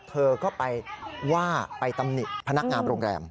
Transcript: เธอก็ไปว่าไปตำหนิพนักงานโรงแรม